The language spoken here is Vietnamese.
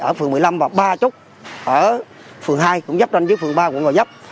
ở phường một mươi năm và ba chốt ở phường hai cũng dắp ranh với phường ba cũng gọi dắp